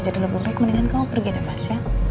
jadi lebih baik mendingan kamu pergi deh mas